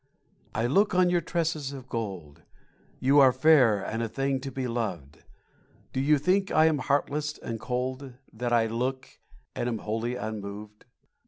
I look on your tresses of gold— You are fair and a thing to be loved— Do you think I am heartless and cold That I look and am wholly unmoved?